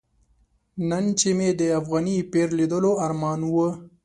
نن چې مې د افغاني پیر لیدلو ارمان و.